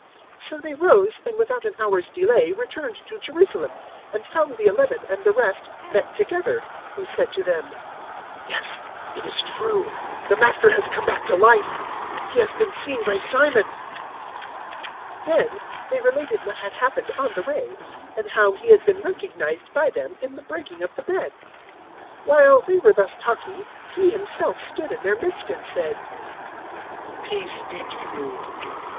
024:033 So they rose and without an hour's delay returned to Jerusalem, and found the Eleven and the rest met together, who said to them, 024:034 "Yes, it is true: the Master has come back to life. He has been seen by Simon." 024:035 Then they related what had happened on the way, and how He had been recognized by them in the breaking of the bread. 024:036 While they were thus talking, He Himself stood in their midst and said, "Peace be to you!"